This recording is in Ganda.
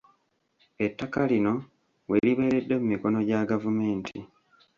Ettaka lino we libeeredde mu mikono gya gavumenti.